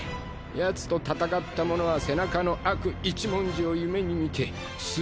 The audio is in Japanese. やつと戦った者は背中の悪一文字を夢に見て数カ月うなされるという。